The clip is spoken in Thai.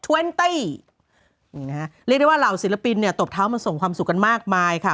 เรียกได้ว่าเหล่าศิลปินตบเท้ามันส่งความสุขกันมากมายค่ะ